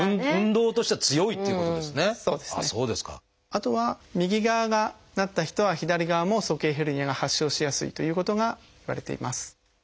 あとは右側がなった人は左側も鼠径ヘルニアが発症しやすいということがいわれています。